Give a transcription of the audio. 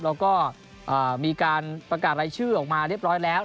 แล้วก็มีการประกาศรายชื่อออกมาเรียบร้อยแล้ว